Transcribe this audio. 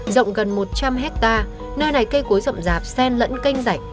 rộng gần một trăm linh hectare nơi này cây cối rậm rạp sen lẫn canh rạch